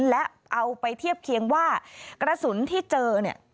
และเอาไปเทียบเคียงว่ากระสุนที่เจอเนี่ย